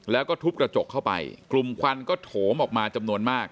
แล้วก็ทุบกระจกเข้าไปกลุ่มควันก็โถมออกมาจำนวนมาก